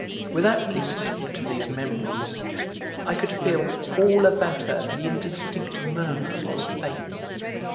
Without listening to these memories, I could feel all about her the indistinct murmur of fame.